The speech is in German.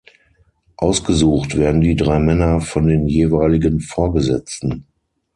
Ausgesucht werden die drei Männer von den jeweiligen Vorgesetzten.